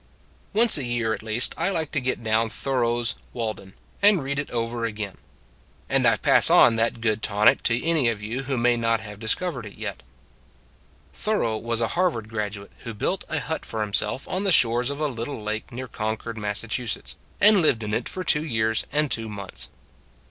Once a year at least I like to get down Thoreau s " Walden " and read it over again: and I pass on that good tonic to Learning to Do Without 131 any of you who may not have discovered it. Thoreau was a Harvard graduate who built a hut for himself on the shores of a little lake near Concord, Massachusetts, and lived in it for two years and two months.